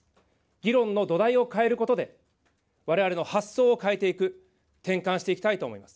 議論の土台を変えることで、われわれの発想を変えていく、転換していきたいと思います。